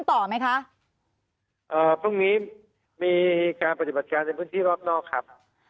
ต่อไหมคะเอ่อพรุ่งนี้มีการปฏิบัติการในพื้นที่รอบนอกครับ